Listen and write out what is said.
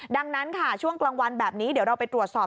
ดังนั้นค่ะช่วงกลางวันแบบนี้เดี๋ยวเราไปตรวจสอบ